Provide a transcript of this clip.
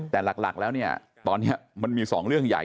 แต่หลักแล้วเนี่ยตอนนี้มันมี๒เรื่องใหญ่